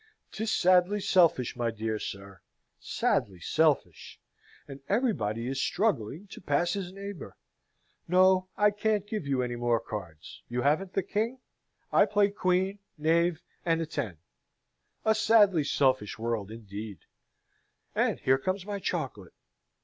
'Tis sadly selfish, my dear sir, sadly selfish; and everybody is struggling to pass his neighbour! No, I can't give you any more cards. You haven't the king? I play queen, knave, and a ten, a sadly selfish world, indeed. And here comes my chocolate!"